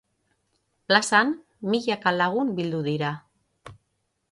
Plazan, milaka lagun bildu dira.